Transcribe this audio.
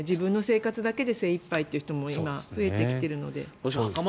自分の生活だけで精いっぱいという人も増えてきているので。